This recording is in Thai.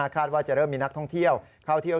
คาดว่าจะเริ่มมีนักท่องเที่ยวเข้าเที่ยว